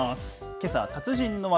けさは達人の技。